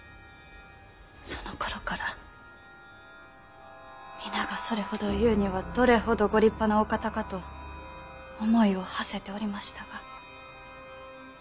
そのころから皆がそれほど言うにはどれほどご立派なお方かと思いをはせておりましたが。